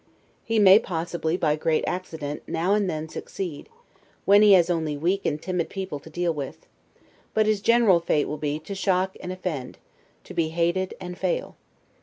He may, possibly, by great accident, now and then succeed, when he has only weak and timid people to deal with; but his general fate will be, to shock offend, be hated, and fail.